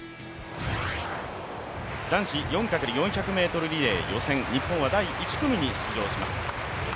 男子４×４００ｍリレー予選、日本は第１組に出場します。